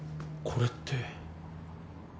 これって。